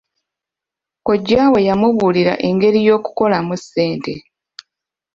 Kojja we yamubuulira engeri y'okukolamu ssente.